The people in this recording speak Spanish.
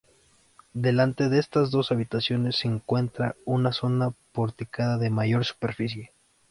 Delante de estas dos habitaciones se encuentra una zona porticada de mayor superficie.